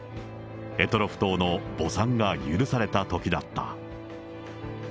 択捉島の墓参が許されたときだった。